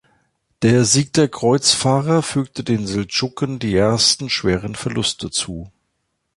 Der Sieg der Kreuzfahrer fügte den Seldschuken die ersten schweren Verluste zu.